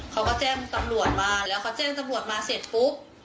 เขาก็แจ้งตำรวจมาแล้วเขาแจ้งตำรวจมาเสร็จปุ๊บ